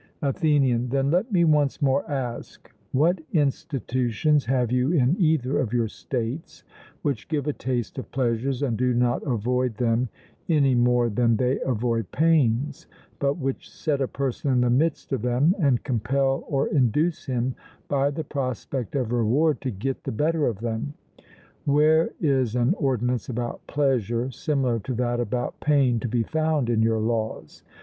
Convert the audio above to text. ATHENIAN: Then let me once more ask, what institutions have you in either of your states which give a taste of pleasures, and do not avoid them any more than they avoid pains; but which set a person in the midst of them, and compel or induce him by the prospect of reward to get the better of them? Where is an ordinance about pleasure similar to that about pain to be found in your laws?